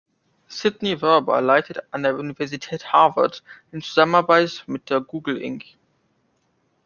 Sidney Verba leitete an der Universität Harvard in Zusammenarbeit mit der Google Inc.